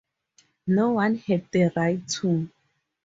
No one had the right to.